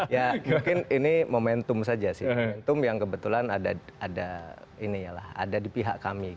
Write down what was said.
ya mungkin ini momentum saja sih momentum yang kebetulan ada di pihak kami